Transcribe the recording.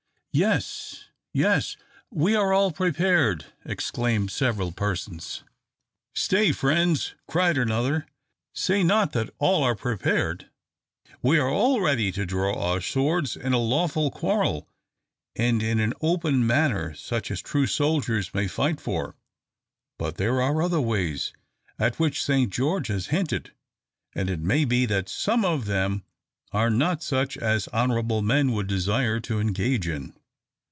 "Yes, yes, we are all prepared!" exclaimed several persons. "Stay, friends!" cried another; "say not that all are prepared. We are all ready to draw our swords in a lawful quarrel and in an open manner, such as true soldiers may fight for, but there are other ways at which Sir George has hinted, and it may be that some of them are not such as honourable men would desire to engage in."